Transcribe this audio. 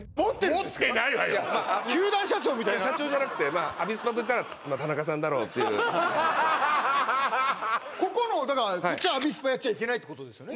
持ってないわよ球団社長みたいな社長じゃなくてまあアビスパといったら田中さんだろうっていうここのだからこっちはアビスパやっちゃいけないってことですよね